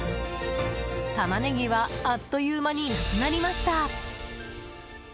タマネギはあっという間になくなりました。